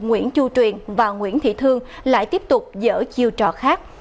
nguyễn chu truyền và nguyễn thị thương lại tiếp tục dở chiêu trò khác